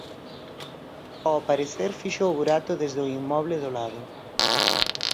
Ao parecer fixo o burato desde o inmoble do lado.